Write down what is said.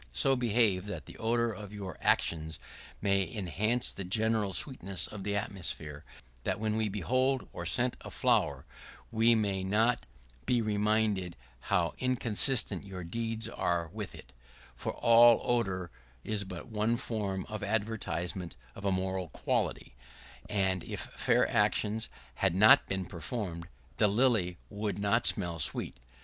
So behave that the odor of your actions may enhance the general sweetness of the atmosphere, that when we behold or scent a flower, we may not be reminded how inconsistent your deeds are with it; for all odor is but one form of advertisement of a moral quality, and if fair actions had not been performed, the lily would not smell sweet.